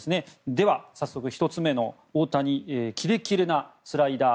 では、早速１つ目の大谷キレキレなスライダー。